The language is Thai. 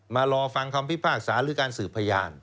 รอฟังคำพิพากษาหรือการสืบพยาน